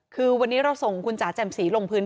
คือวันนี้เราส่งคุณจ๋าแจ่มสีลงพื้น